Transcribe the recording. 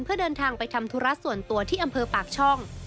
เพื่อเดินทางไปทำธุระส่วนตัวที่อำเภอปากช่อง